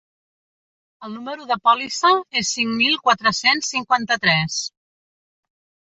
El número de pòlissa és cinc mil quatre-cents cinquanta-tres.